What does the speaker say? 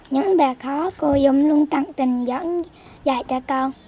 những bài khó dung luôn tặng tình dẫn dạy cho con